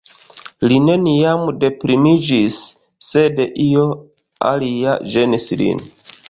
Li neniam deprimiĝis, sed io alia ĝenis lin.